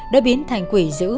đã biến thành quỷ giữ